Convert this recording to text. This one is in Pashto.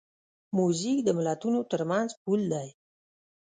موزیک د ملتونو ترمنځ پل دی.